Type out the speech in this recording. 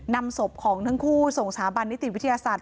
นำศพของทั้งคู่ส่งสถาบันนิติวิทยาศาสตร์